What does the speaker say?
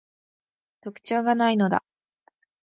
特徴が無いのだ